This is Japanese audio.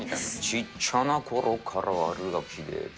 ちっちゃなころから悪ガキでって。